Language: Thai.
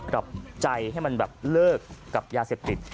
รับใจให้มันแบบเลิกกับยาเสพติด